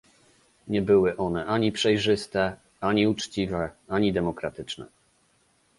Nie były one ani przejrzyste, ani uczciwe, ani demokratyczne